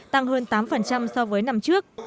tăng hơn tám so với năm trước